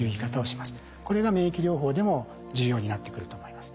これが免疫療法でも重要になってくると思います。